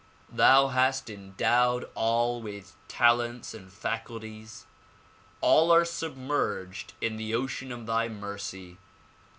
Thou hast endowed all with talents and faculties ; all are submerged in the ocean of thy mercy.